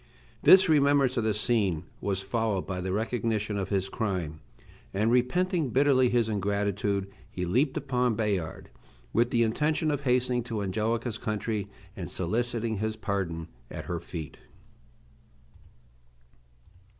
This remembrance of the scene was followed by the recognition of his crime; and, repenting bitterly his ingratitude, he leaped upon Bayard, with the intention of hastening to Angelica's country, and soliciting his pardon at her feet.